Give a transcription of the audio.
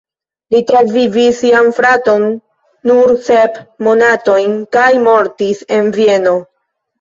Li travivis sian fraton nur sep monatojn kaj mortis en Vieno.